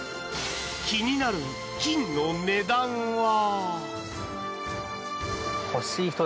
気になる金の値段は。